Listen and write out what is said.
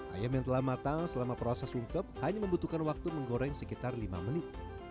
ayam yang telah matang selama proses sungkep hanya membutuhkan waktu menggoreng sekitar lima menit